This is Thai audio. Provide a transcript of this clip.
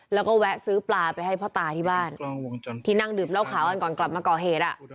แล้วก็แวะซื้อปลาไปให้พ่อตาที่บ้านที่นั่งดื่มเหล้าขาวกันก่อนกลับมาก่อเหตุ